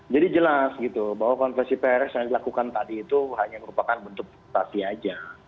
jadi jelas gitu bahwa konfesi prs yang dilakukan tadi itu hanya merupakan bentuk potasi aja